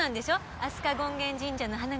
飛鳥権現神社の花笠祭り。